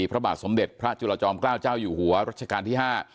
พระบาทสมเด็จพระจุลจอมเกล้าเจ้าอยู่หัวรัชกาลที่๕